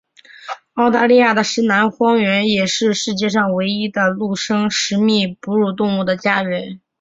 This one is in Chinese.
澳大利亚的石楠荒原也是世界上唯一的陆生食蜜哺乳动物的家园。